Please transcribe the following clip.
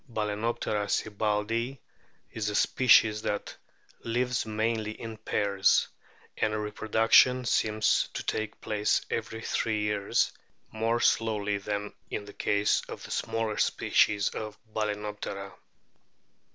Balccnoptera sibbaldii is a species that lives mainly in pairs, and reproduction seems to take place every three years, more slowly than in the case of the smaller species of Balccnoptera.